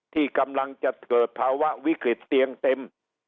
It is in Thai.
ที่กำลังจะเกิดภาวะวิกฤตเตียงเต็ม